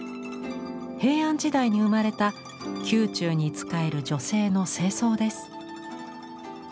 平安時代に生まれた宮中に仕える女性の正装です。